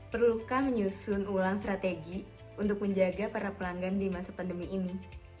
perlukah menyusun ulang strategi untuk menjaga para pelanggan di masa pandemi ini